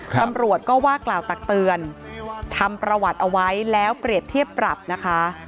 ตำรวจก็ว่ากล่าวตักเตือนทำประวัติเอาไว้แล้วเปรียบเทียบปรับนะคะ